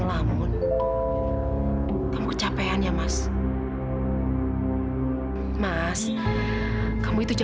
tapi apa dia berhak paham impostor tahu